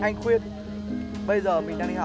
nghe lời mẹ đi